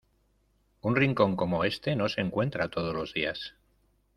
Un rincón como este no se encuentra todos los días.